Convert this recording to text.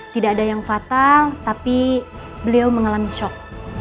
tidak ada yang fatal tapi beliau mengalami shock